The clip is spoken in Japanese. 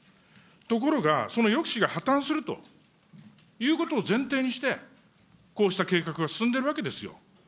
ところが、その抑止が破綻するということを前提にして、こうした計画が進んでいるわけですよ。